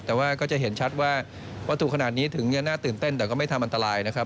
แต่ว่าก็จะเห็นชัดว่าวัตถุขนาดนี้ถึงจะน่าตื่นเต้นแต่ก็ไม่ทำอันตรายนะครับ